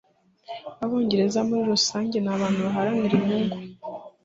Abongereza muri rusange ni abantu baharanira inyungu.